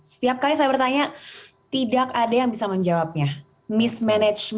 setiap kali saya bertanya tidak ada yang bisa menjawabnya mismanage